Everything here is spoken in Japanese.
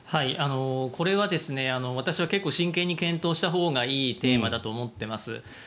これは私は結構、真剣に検討したほうがいいテーマだと思っています。